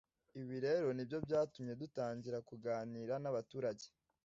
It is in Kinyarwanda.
ibi rero nibyo byatumye dutangira kuganira n’abaturage